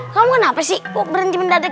kamu kenapa sih kok berhenti mendadak